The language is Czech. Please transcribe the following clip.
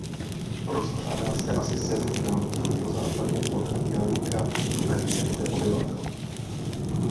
Rozkládá se asi sedm kilometrů jihozápadně od Mělníka a žije zde obyvatel.